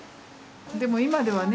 でも今ではね